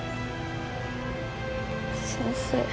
先生。